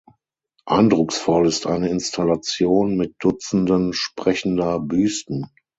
Eindrucksvoll ist eine Installation mit Dutzenden sprechender Büsten.